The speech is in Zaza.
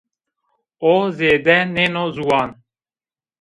O zêde nêno ziwan